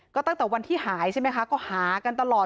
ก็ตั้งแต่วันที่หายใช่ไหมคะก็หากันตลอด